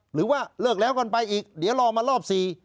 หรือว่าเลิกแล้วกันไปอีกเดี๋ยวรอมารอบ๔